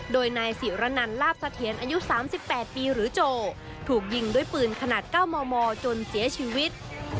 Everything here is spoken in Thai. โดยนายศิรนันทร์ลาบสัทเทียนอายุสามสิบแปดปีหรือโจถูกยิงด้วยปืนขนาดเก้าหมอจนเสียชีวิต